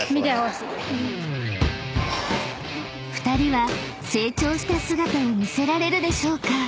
［２人は成長した姿を見せられるでしょうか？］